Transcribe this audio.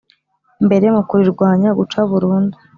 mbere mu kurirwanya Guca burundu